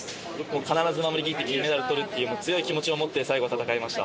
必ず守り切って金メダルとるっていう、強い気持ちを持って、最後は戦いました。